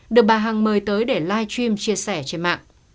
được bà hằng mời tới để livestream chia sẻ trên mạng